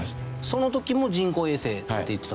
その時も人工衛星って言ってたんですか？